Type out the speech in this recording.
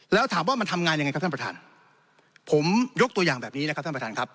แล้วถามว่ามันทำงานยังไงครับท่านประธานผมยกตัวอย่างแบบนี้นะครับท่านประธานครับ